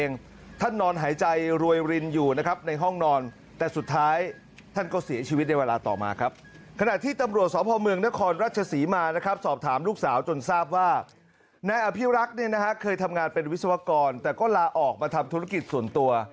นายอภิรักษ์เนี่ยนะฮะเคยทำงานเป็นวิศวกรแต่ก็ลาออกมาทำธุรกิจส่วนตัว